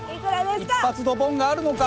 一発ドボンがあるのか？